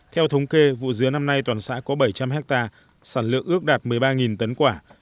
theo thống kê vụ dứa năm nay toàn xã có bảy trăm linh hectare sản lượng ước đạt một mươi ba tấn quả